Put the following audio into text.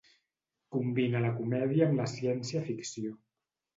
Combina la comèdia amb la ciència-ficció.